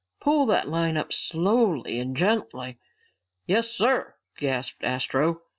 "Pull that line up slowly and gently." "Yes, sir," gasped Astro.